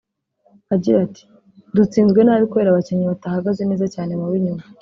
Agira ati “Dutsinzwe nabi kubera abakinnyi batahagaze neza cyane mu b’inyuma